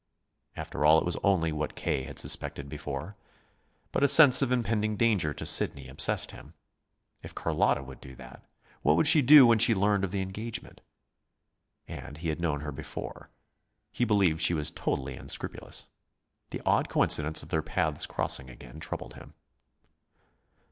After all, it was only what K. had suspected before. But a sense of impending danger to Sidney obsessed him. If Carlotta would do that, what would she do when she learned of the engagement? And he had known her before. He believed she was totally unscrupulous. The odd coincidence of their paths crossing again troubled him.